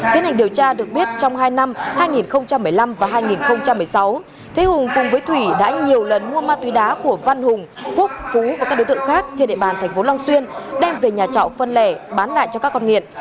tiến hành điều tra được biết trong hai năm hai nghìn một mươi năm và hai nghìn một mươi sáu thế hùng cùng với thủy đã nhiều lần mua ma túy đá của văn hùng phúc phú và các đối tượng khác trên địa bàn thành phố long xuyên đem về nhà trọ phân lẻ bán lại cho các con nghiện